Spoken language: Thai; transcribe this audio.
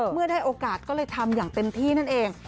เมื่อได้โอกาสก็เลยทำอย่างเต็มที่นั่นเอง